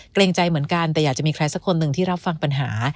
เกรงใจเหมือนกันแต่อยากจะมีใครสักคนหนึ่งที่รับฟังปัญหา